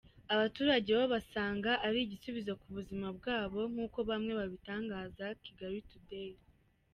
Abaturage bo basanga ari igisubizo ku buzima bwabo nk’uko bamwe babitangariza Kigail Today.